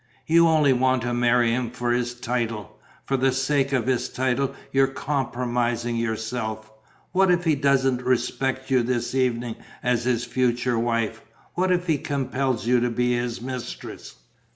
"You only want to marry him for his title. For the sake of his title you're compromising yourself. What if he doesn't respect you this evening as his future wife? What if he compels you to be his mistress?"